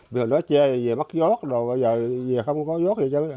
bây giờ nó chê về mắc giốt rồi bây giờ về không có giốt gì